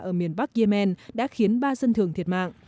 ở miền bắc yemen đã khiến ba dân thường thiệt mạng